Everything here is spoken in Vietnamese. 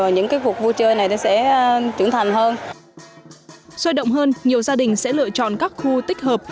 nhiều gia đình sẽ lựa chọn các khu tích hợp